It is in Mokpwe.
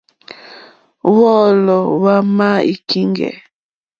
Wɔ́ɔ̌lɔ̀ wá má í kíŋɡɛ̀.